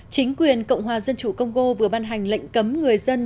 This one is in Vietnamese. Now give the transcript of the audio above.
chính quyền cộng hòa dân chủ congo vừa ban hành lệnh cấm người dân